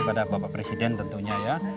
kepada bapak presiden tentunya ya